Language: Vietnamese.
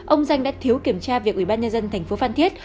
ông danh đã thiếu kiểm tra việc ủy ban nhân dân thành phố phan thiết